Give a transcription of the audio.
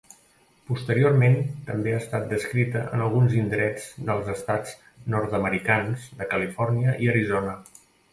Posteriorment també ha estat descrita en alguns indrets dels estats nord-americans de Califòrnia i Arizona.